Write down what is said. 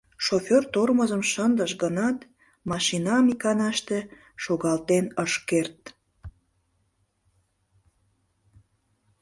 Шофёр тормозым шындыш гынат, машинам иканаште шогалтен ыш керт.